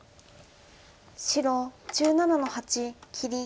白１７の八切り。